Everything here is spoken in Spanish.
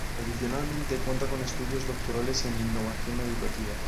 Adicionalmente, cuenta con estudios doctorales en Innovación educativa.